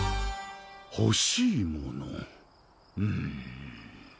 欲しいものうん。